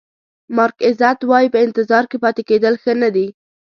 مارک ایزت وایي په انتظار کې پاتې کېدل ښه نه دي.